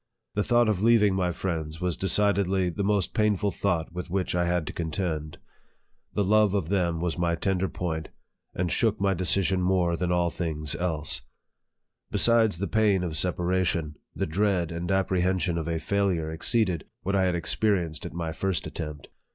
The thought of leaving my friends was decidedly the most painful thought with which I had to contend. The love of them was my tender point, and shook my decision more than all LIFE OF FREDERICK DOUGLASS. 107 things else. Besides the pain of separation, the dreaa and apprehension of a failure exceeded what I had experienced at my first attempt.